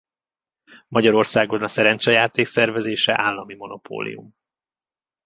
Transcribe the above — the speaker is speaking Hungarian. Magyarországon a szerencsejáték szervezése állami monopólium.